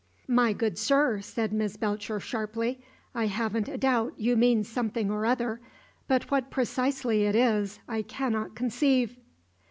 "My good sir," said Miss Belcher, sharply, "I haven't a doubt you mean something or other; but what precisely it is, I cannot conceive."